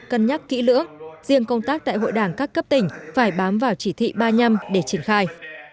cân nhắc kỹ lưỡng riêng công tác tại hội đảng các cấp tỉnh phải bám vào chỉ thị ba nhâm để triển khai